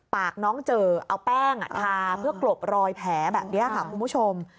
ปากน้องเจอเอาแป้งทาเพื่อกลบรอยแผลแบบนี้ค่ะคุณผู้ชม